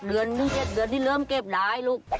เดือนที่๗เดือนที่เริ่มเก็บหลายลูก